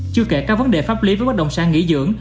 chưa kể các vấn đề pháp lý với bất động sản nghỉ dưỡng